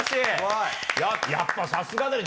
やっぱ、さすがだな！